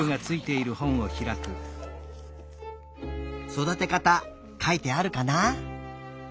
そだてかたかいてあるかな？